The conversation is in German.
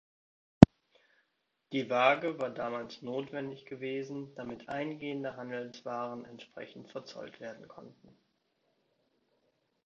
Die Waage war damals notwendig gewesen, damit eingehende Handelswaren entsprechend verzollt werden konnten.